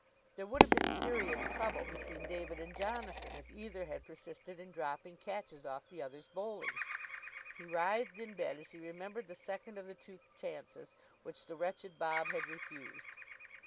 There would have been serious trouble between David and Jonathan if either had persisted in dropping catches off the other's bowling. He writhed in bed as he remembered the second of the two chances which the wretched Bob had refused.